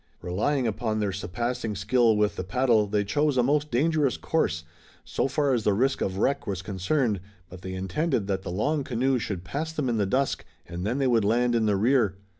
Relying upon their surpassing skill with the paddle, they chose a most dangerous course, so far as the risk of wreck was concerned, but they intended that the long canoe should pass them in the dusk, and then they would land in the rear.